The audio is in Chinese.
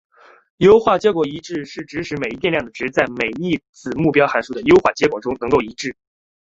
优化结果一致是指使每一变量的值在每一子目标函数的优化结果中能够一致。